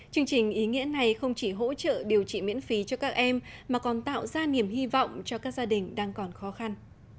chương trình ý nghĩa này không chỉ hỗ trợ điều trị miễn phí cho các em mà còn tạo ra niềm hy vọng cho các gia đình đang còn khó khăn